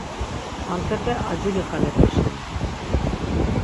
Antepe acili xalepe şeni.